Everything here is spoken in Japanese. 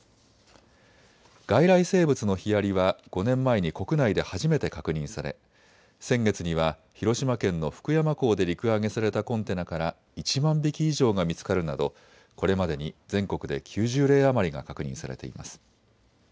外来生物のヒアリは５年前に国内で初めて確認され先月には広島県の福山港で陸揚げされたコンテナから１万匹以上が見つかるなど、これまでに全国で９０例余りが確認されています。